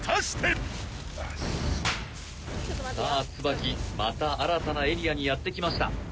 つばきまた新たなエリアにやってきました